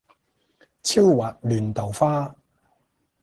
超滑嫩豆花